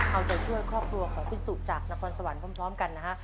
เอาใจช่วยครอบครัวของคุณสุจากนครสวรรค์พร้อมกันนะฮะ